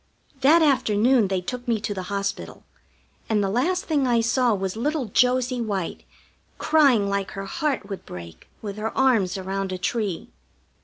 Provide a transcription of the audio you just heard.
That afternoon they took me to the hospital, and the last thing I saw was little Josie White crying like her heart would break with her arms around a tree.